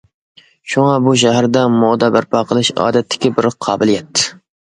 شۇڭا، بۇ شەھەردە مودا بەرپا قىلىش ئادەتتىكى بىر قابىلىيەت.